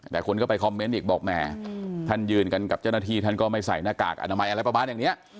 แต่คนก็ไปคอมเมนต์อีกบอกแหมท่านยืนกันกับเจ้าหน้าที่ท่านก็ไม่ใส่หน้ากากอนามัยอะไรประมาณอย่างนี้